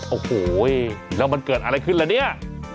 โอ้โหแล้วมันเกิดอะไรขึ้นละเนี่ย